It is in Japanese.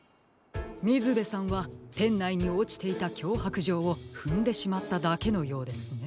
みずべさんはてんないにおちていたきょうはくじょうをふんでしまっただけのようですね。